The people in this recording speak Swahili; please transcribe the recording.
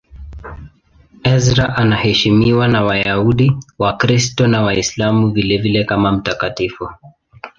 Ezra anaheshimiwa na Wayahudi, Wakristo na Waislamu vilevile kama mtakatifu.